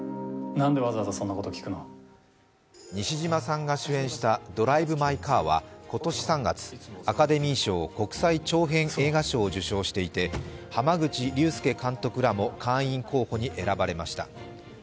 西島さんが主演した「ドライブ・マイ・カー」は今年３月アカデミー賞・国際長編映画賞を受賞していて濱口竜介監督らも会員候補に選ばれました。